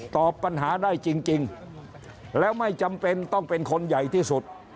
ตอบปัญหาได้จริงแล้วไม่จำเป็นต้องเป็นคนใหญ่ที่สุด